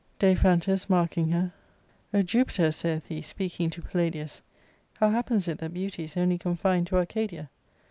Daiphantus marking her, " O Jupiter !" saith he, speaking to Palladius, " how happensjt that beauty <'' is only confined to Arcadia